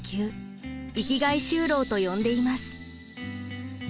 生きがい就労と呼んでいます。